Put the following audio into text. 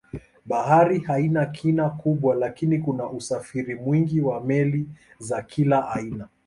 Bahari haina kina kubwa lakini kuna usafiri mwingi wa meli za kila aina.